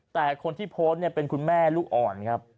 แต่คนที่โพสต์เนี่ยเป็นคุณแม่ลูกอ่อนครับ